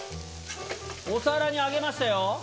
お皿に上げましたよ。